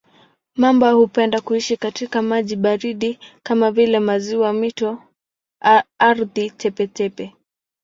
Mamba hupenda kuishi katika maji baridi kama vile maziwa, mito, ardhi tepe-tepe.